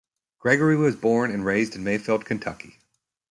Gregory was born and raised in Mayfield, Kentucky.